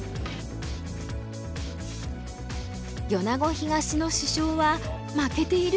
米子東の主将は負けていると勘違い。